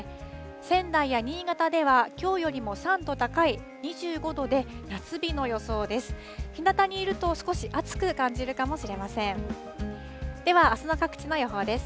仙台や新潟では、きょうよりも３度高い２５度で、夏日の予想です。